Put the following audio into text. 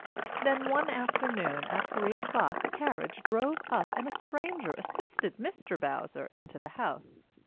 Then one afternoon at three o'clock a carriage drove up and a stranger assisted Mr. Bowser into the house.